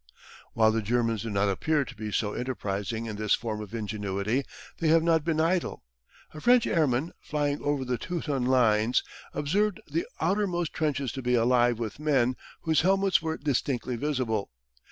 While the Germans do not appear to be so enterprising in this form of ingenuity they have not been idle. A French airman flying over the Teuton lines observed the outermost trenches to be alive with men whose helmets were distinctly visible.